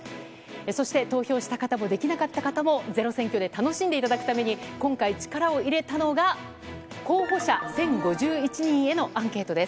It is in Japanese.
そして投票した方も、できなかった方も、ｚｅｒｏ選挙で楽しんでいただくために、今回、力を入れたのが、候補者１０５１人へのアンケートです。